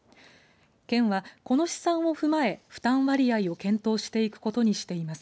県は、この試算を踏まえ負担割合を検討していくことにしています。